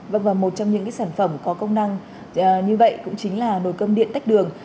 vâng và một trong những sản phẩm có công năng như vậy cũng chính là nồi cơm điện tách đường